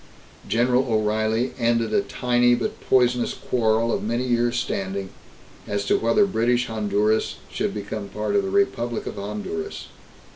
General O'Reilly ended a tiny but poisonous quarrel of many years' standing as to whether British Honduras should become a part of the Republic of Honduras.